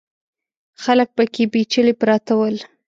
خلک پکې پېچلي پراته ول.